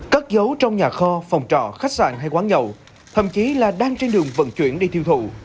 các dấu trong nhà kho phòng trọ khách sạn hay quán nhậu thậm chí là đang trên đường vận chuyển đi thiêu thụ